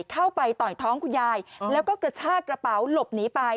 เข้าไปต่อยท้องคุณยายแล้วก็กระชากระเป๋าหลบหนีไป